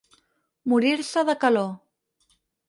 Morir-se de calor.